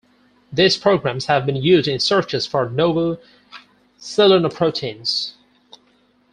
These programs have been used in searches for novel selenoproteins.